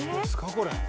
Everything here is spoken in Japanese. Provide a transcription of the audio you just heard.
これ」